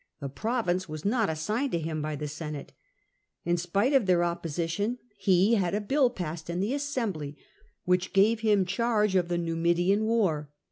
The province was not assigned to him by the Senate. In spite of their opposition he had a bill passed in the Assembly, which gave him charge of the Numidian war.